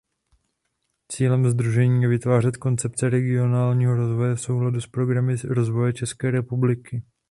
Cílem sdružení je vytvářet koncepce regionálního rozvoje v souladu s programy rozvoje České republiky.